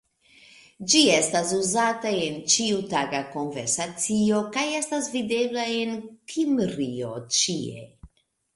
Ĝi estas uzata en ĉiutaga konversacio kaj estas videbla en Kimrio ĉie.